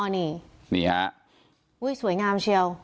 นี่นี่ฮะอุ้ยสวยงามเชียว